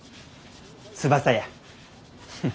ツバサや。